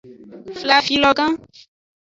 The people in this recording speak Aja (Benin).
Flafilo gan.